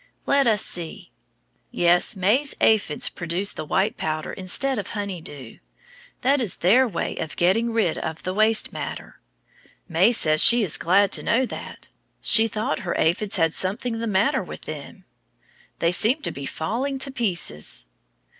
Let us see. Yes, May's aphids produce the white powder instead of honey dew. That is their way of getting rid of the waste matter. May says she is glad to know that; she thought her aphids had something the matter with them. They seemed to be falling to pieces.